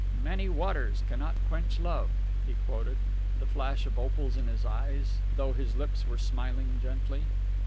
'Many waters cannot quench love,'" he quoted, the flash of opals in his eyes, though his lips were smiling gently.